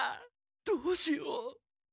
どうしよう。